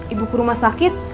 ibu ke rumah sakit